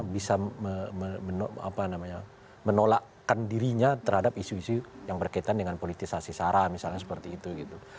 bisa menolakkan dirinya terhadap isu isu yang berkaitan dengan politisasi sara misalnya seperti itu gitu